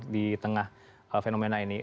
di tengah fenomena ini